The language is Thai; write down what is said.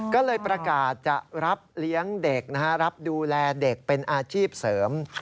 ก็เลยประกาศจะรับเลี้ยงเด็กรับดูแลเด็กเป็นอาชีพเสริม